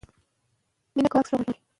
اوس یې د همدې خاورې